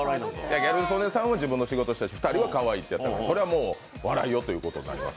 ギャル曽根さんは自分の仕事してるし、２人はかわいいし、それはもう、笑いをということになります。